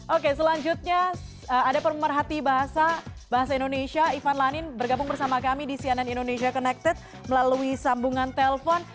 oke selanjutnya ada pemerhati bahasa indonesia ivan lanin bergabung bersama kami di cnn indonesia connected melalui sambungan telpon